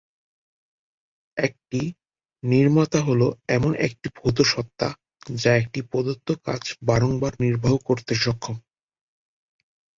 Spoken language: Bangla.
একটি "নির্মাতা" হল এমন একটি ভৌত সত্তা যা একটি প্রদত্ত কাজ বারংবার নির্বাহ করতে সক্ষম।